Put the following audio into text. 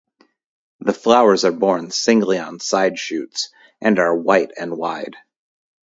The flowers are borne singly on side shoots and are white and wide.